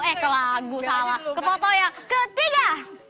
eh ke lagu salah ke foto yang ketiga